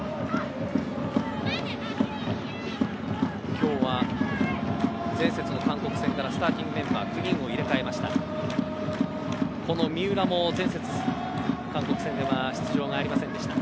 今日は前節の韓国戦からスターティングメンバー９人を入れ替えました。